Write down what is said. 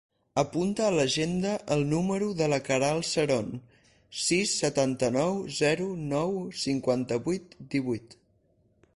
Apunta a l'agenda el número de la Queralt Seron: sis, setanta-nou, zero, nou, cinquanta-vuit, divuit.